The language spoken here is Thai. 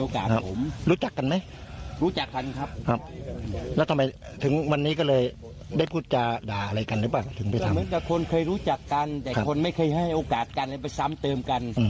เหมือนกับคนเคยรู้จักกันแต่คนไม่เคยให้โอกาสกันไปซ้ำเติมกัน